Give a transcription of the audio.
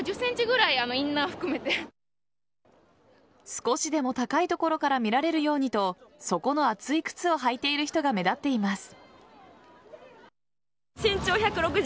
少しでも高いところから見られるようにと底の厚い靴を履いている人が目立っています。